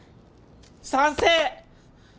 賛成！